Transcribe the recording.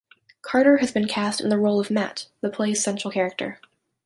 Carter has been cast in the role of Matt, the play's central character.